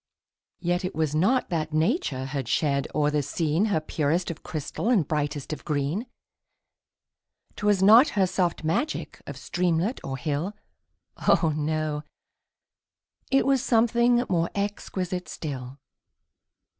Yet it was not that nature had shed o'er the scene Her purest of crystal and brightest of green; 'Twas not her soft magic of streamlet or hill, Oh! no, it was something more exquisite still.